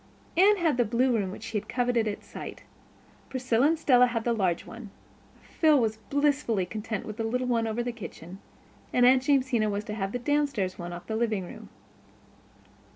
Anne had the blue room she had coveted at sight. Priscilla and Stella had the large one. Phil was blissfully content with the little one over the kitchen; and Aunt Jamesina was to have the downstairs one off the living room.